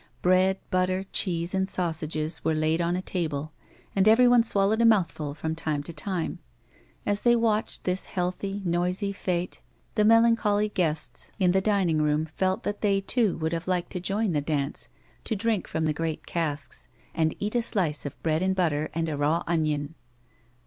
Bread, Gutter, cheese, and sausages were laid on a table, and everyone swallowed a mouthful from time to time. As they watclied this healthy, noisy fete tlie melancholy guests in A WOMAN'S LIFE. 55 the dining room felt that they too would have liked to join the dance, to drink from the great casks, and eat a slice of bi'ead and butter and a raw onion.